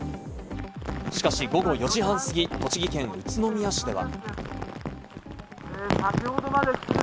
しかし午後４時半すぎ、栃木県宇都宮市では。